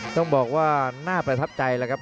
ต้องบอกว่าน่าประทับใจแล้วครับ